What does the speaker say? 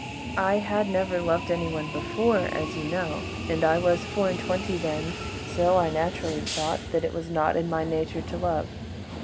I had never loved anyone before, as you know, and I was four and twenty then—so I naturally thought that it was not in my nature to love.